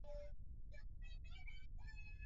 hadithi nzuri ya kusikitisha ilikuwa ya rose na jack